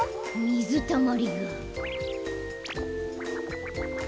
みずたまりが。